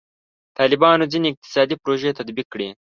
طالبانو ځینې اقتصادي پروژې تطبیق کړي.